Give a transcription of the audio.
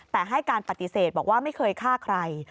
แต่ให้การปฏิเสธบอกว่าไม่เคยฆ่าใคร